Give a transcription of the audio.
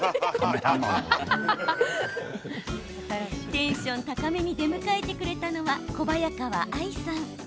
テンション高めに出迎えてくれたのは小早川愛さん。